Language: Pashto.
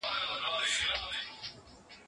هوش د انسان په چلند کي مهم رول لري.